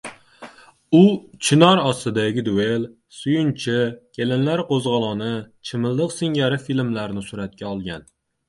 U “Chinor ostidagi duel”, “Suyunchi”, “Kelinlar qo‘zg‘oloni”, “Chimildiq” singari filmlarni suratga olgan